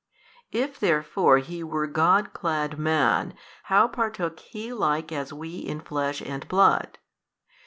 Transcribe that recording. If therefore He were God clad man, how partook He like as we in flesh and blood?